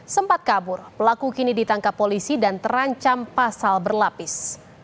sempat kabur pelaku kini ditangkap polisi dan terancam pasal berlapis